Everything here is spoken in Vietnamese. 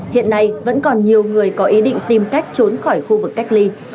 hiện nay vẫn còn nhiều người có ý định tìm cách trốn khỏi khu vực cách ly